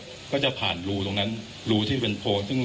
คุณผู้ชมไปฟังผู้ว่ารัฐกาลจังหวัดเชียงรายแถลงตอนนี้ค่ะ